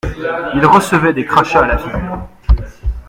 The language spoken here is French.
Ils recevaient des crachats à la figure.